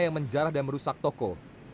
yang menjarah dan merusak toko